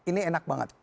ini enak banget